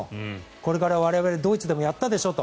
これから我々ドイツでもやったでしょと。